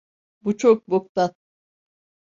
Bu çok boktan.